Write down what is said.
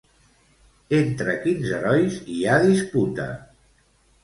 Entre quins herois hi ha disputa?